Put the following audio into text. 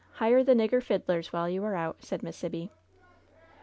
Hire the nigger fiddlers while you are out/' said Miss Sibby.